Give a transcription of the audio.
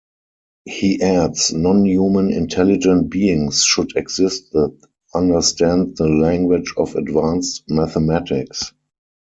He adds, non-human intelligent beings should exist that understand the language of advanced mathematics.